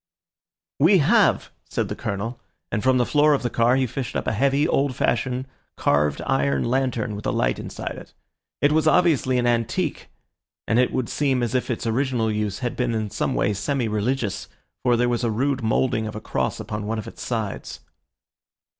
"We have," said the Colonel, and from the floor of the car he fished up a heavy, old fashioned, carved iron lantern with a light inside it. It was obviously an antique, and it would seem as if its original use had been in some way semi religious, for there was a rude moulding of a cross upon one of its sides.